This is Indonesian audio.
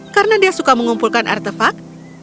karena dia suka mengumpulkan artefak